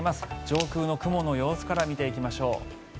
上空の雲の様子から見ていきましょう。